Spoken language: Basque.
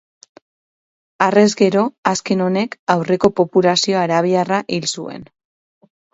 Harrez gero, azken honek aurreko populazio arabiarra hil zuen.